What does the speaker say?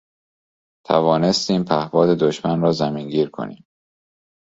توانستیم پهپاد دشمن را زمینگیر کنیم